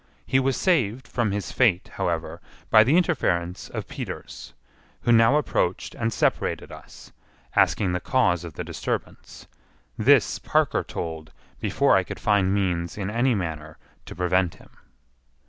He was saved from his fate, however, by the interference of Peters, who now approached and separated us, asking the cause of the disturbance. This Parker told before I could find means in any manner to prevent him.